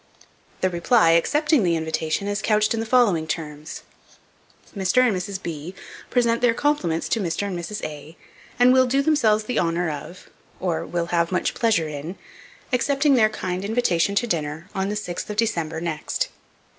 The reply, accepting the invitation, is couched in the following terms: Mr. and Mrs. B present their compliments to Mr. and Mrs. A , and will do themselves the honour of, [or will have much pleasure in] accepting their kind invitation to dinner on the 6th of December next.